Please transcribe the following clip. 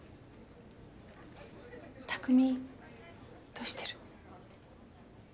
拓海どうしてる？